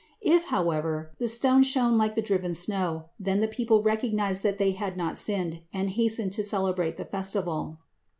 If, however, the stone shone like the driven snow, then the people recognized that they had not sinned, and hastened to celebrate the festival.